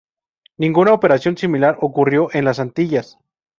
Ninguna operación similar ocurrió en las Antillas.